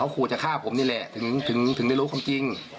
เขาขู่จะฆ่าผมนี่แหละถึงถึงถึงไม่รู้ความจริง